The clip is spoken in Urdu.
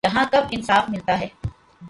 یہاں کب انصاف ملتا ہے